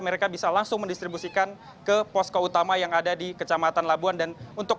mereka bisa langsung mendistribusikan ke posko utama yang ada di kecamatan labuan dan untuk